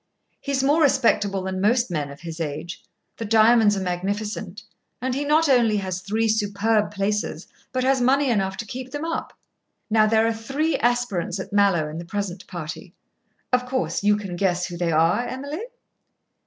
"He's more respectable than most men of his age. The diamonds are magnificent, and he not only has three superb places, but has money enough to keep them up. Now, there are three aspirants at Mallowe in the present party. Of course you can guess who they are, Emily?"